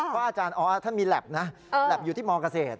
เพราะอาจารย์ออสถ้ามีแล็บนะแหลปอยู่ที่มเกษตร